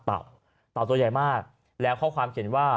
เต่าเต่าตัวใหญ่มากแล้วข้อความเขียนว่า